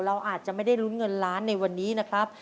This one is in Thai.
เราอาจจะไม่ได้ลุ้นเงินล้านในวันนี้นะครับ